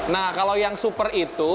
nah kalau yang super itu